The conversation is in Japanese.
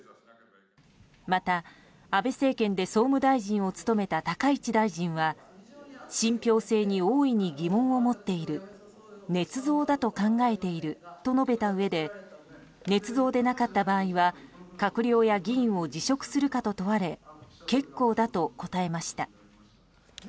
また、安倍政権で総務大臣を務めた高市大臣は信憑性に大いに疑問を持っているねつ造だと考えていると述べたうえでねつ造でなかった場合は閣僚や議員を辞職するかと問われ結構だと答えました。